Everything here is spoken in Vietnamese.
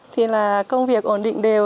thì là công việc ổn định đều